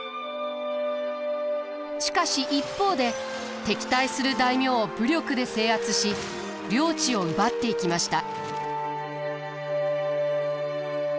しかし一方で敵対する大名を武力で制圧し領地を奪っていきました。